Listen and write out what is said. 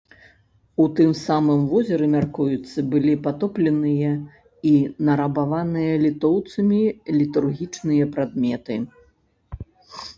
У тым самым возеры, мяркуецца, былі патопленыя і нарабаваныя літоўцамі літургічныя прадметы.